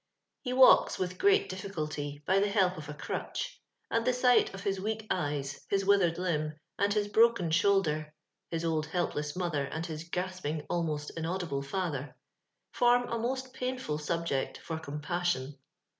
He walks, with great difficulty, by the help of a crutch ; and the sight of his weak eyes, his "withered limb, and his broken shoulder (his old helpless mother, and his gasping, almost inaudible father,) form a most painful subject for compassion.